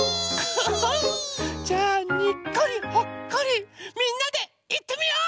じゃあ「にっこりほっこり」みんなでいってみよう！